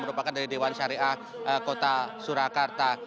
merupakan dari dewan syariah kota surakarta